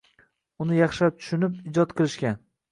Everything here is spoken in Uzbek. Uni yaxshi tushunib, ijod qilishgan.